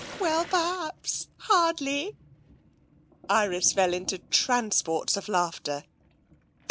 "Well, perhaps hardly!" Iris fell into transports of laughter.